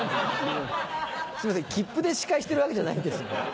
すいませんきっぷで司会してるわけじゃないんですよ。